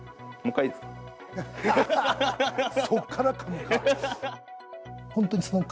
そっからかむか。